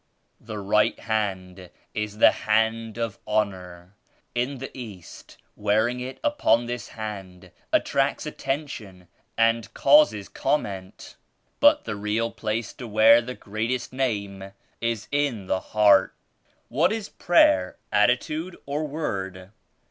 *^The right hand is the hand of honor. In the East, wearing it upon this hand attracts attention tnd causes comment. But the real place to wear the Greatest Name is in the heart." "What is prayer; attitude or word?"